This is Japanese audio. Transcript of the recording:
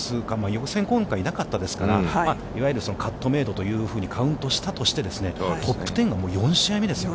予選は今回なかったですから、いわゆるカットメイドというふうにカウントしたとして、トップ１０が４試合目ですよ。